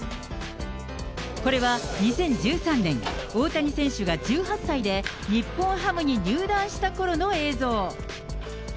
これは２０１３年、大谷選手が１８歳で日本ハムに入団したころの映像。